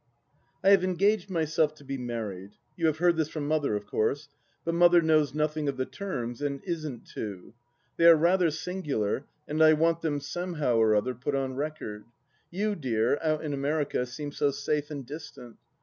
I HAVE engaged myself to be married ; you have heard this from Mother, of course. But Mother knows nothing of the terms, and isn't to. They are rather singular, and I want them, somehow or other, put on record. You, dear, out in America, seem so safe and distant.